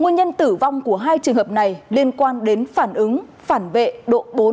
nguyên nhân tử vong của hai trường hợp này liên quan đến phản ứng phản vệ độ bốn